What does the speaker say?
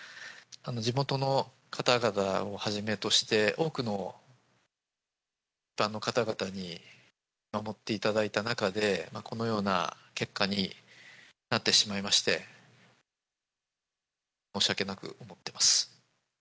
地元の方々をはじめとして、多くの一般の方々に見守っていただいた中で、このような結果になってしまいまして、申し訳なく思ってます。